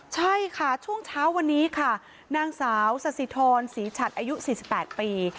ใช่ค่ะช่วงเช้าวันนี้ค่ะนางสาวสสิทรศรีฉัดอายุ๔๘ปี